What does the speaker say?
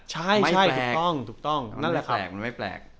ใช่ใช่ถูกต้องนั่นแหละครับ